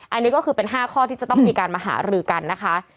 อันนี้ก็คือเป็น๕ข้อที่จะต้องมีการมาหารือกันนะคะ